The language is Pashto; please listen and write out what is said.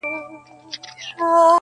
بيزو وان سو په چغارو په نارو سو-